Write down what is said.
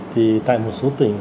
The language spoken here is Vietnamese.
thì tại một số tỉnh